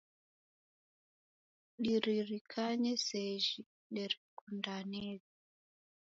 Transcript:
Diririkanye sejhi derekundaneghe